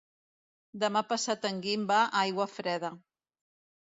Demà passat en Guim va a Aiguafreda.